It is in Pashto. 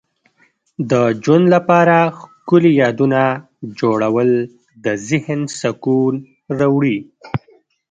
د ژوند لپاره ښکلي یادونه جوړول د ذهن سکون راوړي.